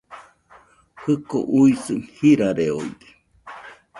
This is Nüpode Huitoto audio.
Jɨko uisɨ jirareoide